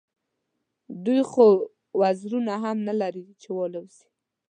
دوی خو وزرونه هم نه لري چې والوزي.